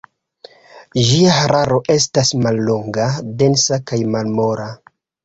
Ĝia hararo estas mallonga, densa kaj malmola.